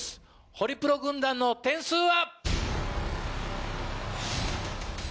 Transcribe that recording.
ホリプロ軍団の点数は？